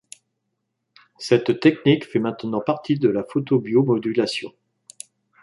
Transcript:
Cette technique fait maintenant partie de la photobiomodulation.